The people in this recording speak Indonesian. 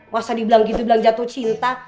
masa dibilang gitu bilang jatuh cinta